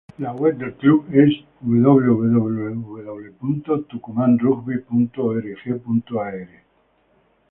La web del club es www.tucumanrugby.org.ar